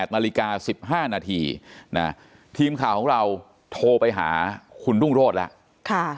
๘นาฬิกา๑๕นาทีทีมข่าวของเราโทรไปหาคุณรุ่งโรธแล้ว